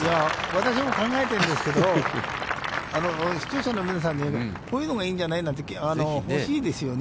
私も考えているんですけど、視聴者の皆さんにこういうのがいいんじゃないって欲しいですよね。